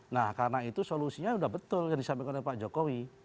nah karena itu solusinya sudah betul yang disampaikan oleh pak jokowi